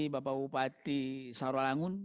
bapak bupati sahara langun